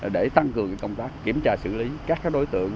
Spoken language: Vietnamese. để tăng cường công tác kiểm tra xử lý các đối tượng